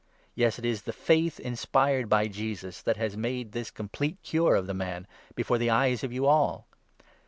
Yes, it is the faith inspired by Jesus that has made this complete cure of the man, before the eyes of you all.